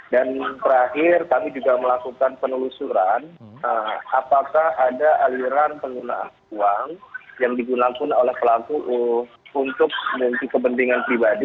dan terakhir kami juga melakukan penelusuran apakah ada aliran penggunaan uang yang digunakan oleh pelaku untuk menghubungi kebendahannya